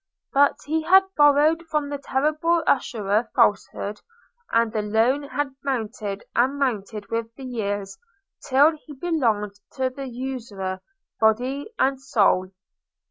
But he had borrowed from the terrible usurer Falsehood, and the loan had mounted and mounted with the years, till he belonged to the usurer, body and soul.